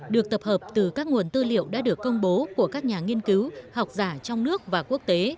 được tập hợp từ các nguồn tư liệu đã được công bố của các nhà nghiên cứu học giả trong nước và quốc tế